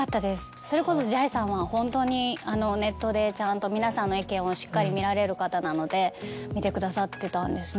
それこそジャイさんはホントにネットでちゃんと皆さんの意見をしっかり見られる方なので見てくださってたんですね。